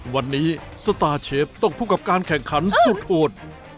วันนี้สตาร์เชฟต้องพบกับการแข่งขันสุดโอด